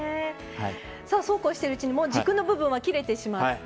そうこうしているうちにもう軸の部分は切れてしまって。